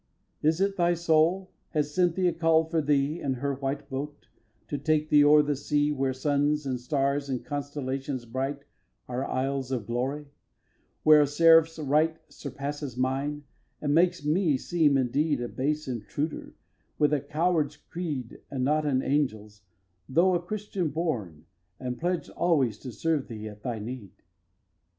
viii. Is it thy soul? Has Cynthia call'd for thee In her white boat, to take thee o'er the sea Where suns and stars and constellations bright Are isles of glory, where a seraph's right Surpasses mine, and makes me seem indeed A base intruder, with a coward's creed And not an angel's, though a Christian born And pledged alwàys to serve thee at thy need?